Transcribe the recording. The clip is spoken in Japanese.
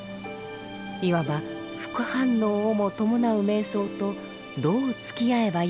いわば副反応をも伴う瞑想とどうつきあえばよいのか。